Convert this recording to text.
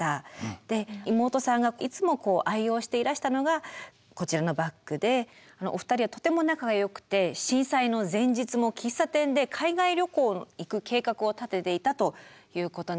で妹さんがいつも愛用していらしたのがこちらのバッグでお二人はとても仲がよくて震災の前日も喫茶店で海外旅行に行く計画を立てていたということなんですよね。